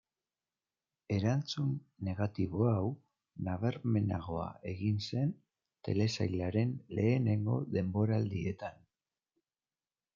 Erantzun negatibo hau nabarmenagoa egin zen telesailaren lehenengo denboraldietan.